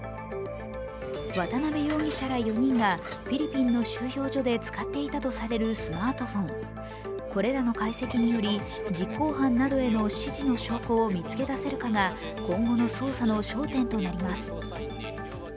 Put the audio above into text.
渡辺容疑者ら４人がフィリピンの収容所で使っていたとされるスマートフォンこれらの解析により実行犯などへの指示の証拠を見つけ出せるかが今後の捜査の焦点となります。